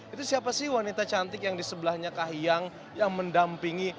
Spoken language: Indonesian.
itu siapa sih wanita cantik yang di sebelahnya kahiyang yang mendampingi